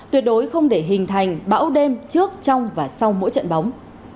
tuyệt đối không để hình thành bão đêm trước trong và sau mỗi trận bóng